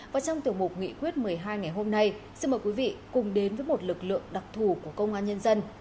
và trong tiểu mục nghị quyết một mươi hai ngày hôm nay xin mời quý vị cùng đến với một lực lượng đặc thù của công an nhân dân